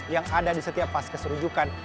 yang ada di setiap paskes rujukan